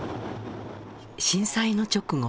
震災の直後